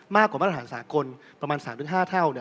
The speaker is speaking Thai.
มากกว่ามาตรฐานสากลประมาณ๓๕เท่า